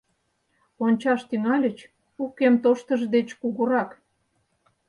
Ончаш тӱҥальыч — у кем тоштыж деч кугурак.